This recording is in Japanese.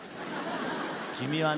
君はね